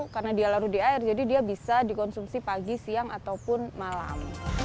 karena dia larut di air jadi dia bisa dikonsumsi pagi siang ataupun malam